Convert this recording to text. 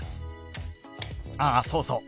あっそうそう。